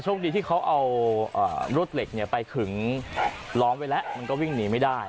ช่วงดีที่เขาเอารถเหล็กเนี่ยไปขึงล้อมไว้และมันก็วิ่งหนีไม่ได้